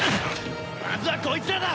まずはこいつらだ！